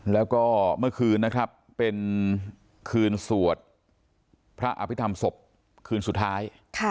แล้วก็เมื่อคืนนะครับเป็นคืนสวดพระอภิษฐรรมศพคืนสุดท้าย